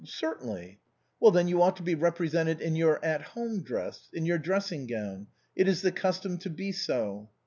« Certainly." " Well, then, you ought to be represented in your at home dress — in your dressing gown. It is the custom to be so."